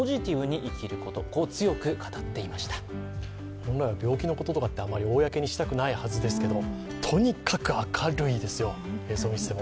本来は病気のこととかってあんまり公にしたくないことですけどとにかく明るいですよ、映像を見ていても。